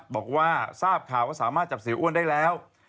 บอกว่าทราบข่าวว่าสามารถจับเสียอ้วนได้แล้ว